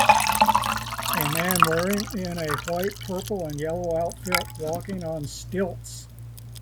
A man wearing in a white purple and yellow outfit walking on stilts